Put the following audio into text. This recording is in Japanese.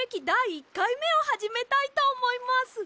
１かいめをはじめたいとおもいます。